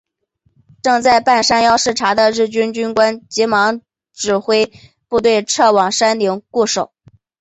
正在半山腰视察的日军军官急忙指挥部队撤往山顶固守。